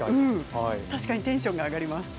確かにテンションが上がります。